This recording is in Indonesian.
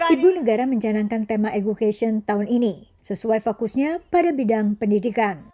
ibu negara menjalankan tema evocation tahun ini sesuai fokusnya pada bidang pendidikan